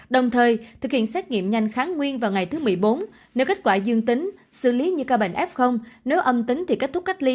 đồng thời thực hiện xét nghiệm nhanh kháng nguyên vào ngày thứ một mươi bốn nếu kết quả dương tính xử lý như ca bệnh f nếu âm tính thì kết thúc cách ly